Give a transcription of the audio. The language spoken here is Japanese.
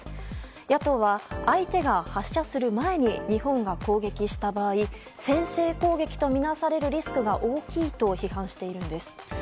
野党は相手が発射する前に日本が攻撃した場合先制攻撃とみなされるリスクが大きいと批判しているんです。